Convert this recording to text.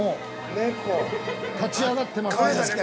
◆猫、立ち上がってますね。